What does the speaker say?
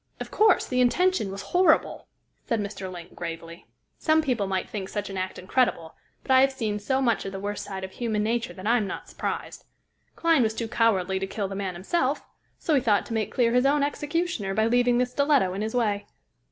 "Of course, the intention was horrible!" said Mr. Link, gravely. "Some people might think such an act incredible; but I have seen so much of the worst side of human nature that I am not surprised. Clyne was too cowardly to kill the man himself, so he thought to make Clear his own executioner by leaving the stiletto in his way.